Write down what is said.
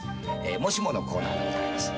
もしものコーナーでございます。